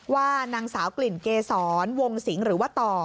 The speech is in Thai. ว่านางสาวกลิ่นเกษรวงสิงห์หรือว่าต่อ